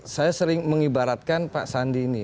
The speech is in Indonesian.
saya sering mengibaratkan pak sandi ini